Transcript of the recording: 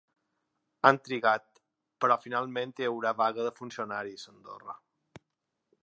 Han trigat, però finalment hi haurà vaga de funcionaris a Andorra.